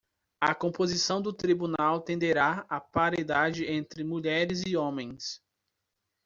A composição do tribunal tenderá à paridade entre mulheres e homens.